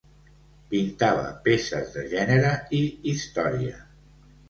Pintava peces de gènere i història.